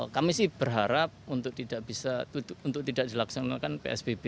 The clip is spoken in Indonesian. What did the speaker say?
kami sih berharap untuk tidak dilaksanakan psbb